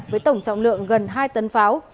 với tổng trọng lượng gần hai tấn pháo